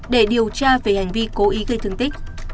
để điều tra về hành vi cố ý gây thương tích